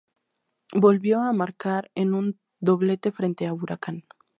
Volvió a marcar en un doblete frente a Huracán.